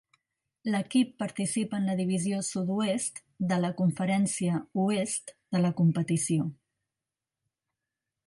L'equip participa en la Divisió Sud-oest de la Conferència Oest de la competició.